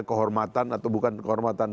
kehormatan atau bukan kehormatan